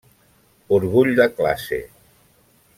Orgull de classe.